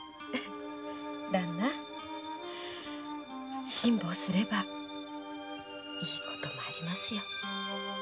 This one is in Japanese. ダンナ辛抱すればいい事もありますよ。